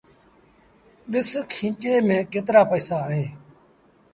ڏس کينچي ميݩ ڪيترآ پئيٚسآ اهيݩ۔